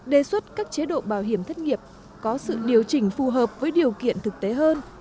đề xuất các chế độ bảo hiểm thất nghiệp có sự điều chỉnh phù hợp với điều kiện thực tế hơn